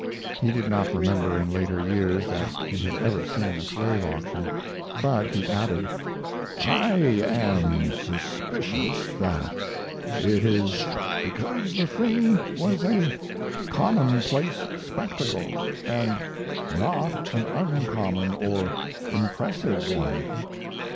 He did not remember, in later years, that he had ever seen a slave auction, but he added: "I am suspicious that it is because the thing was a commonplace spectacle, and not an uncommon or impressive one.